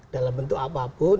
dalam bentuk apapun